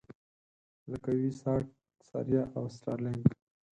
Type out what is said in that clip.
لکه وي-ساټ، ثریا او سټارلېنک.